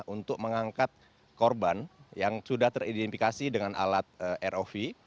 untuk mengangkat korban yang sudah teridentifikasi dengan alat rov